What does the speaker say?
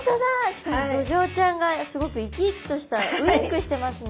しかもドジョウちゃんがすごく生き生きとしたウインクしてますね。